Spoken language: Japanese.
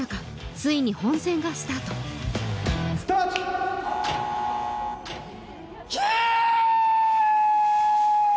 ついに本戦がスタートスタートキエエエ！